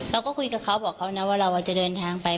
เราก็คุยกับเขาบอกเขานะว่าเราจะเดินทางไป